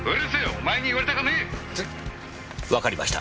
お前に言われたかねえ！」わかりました。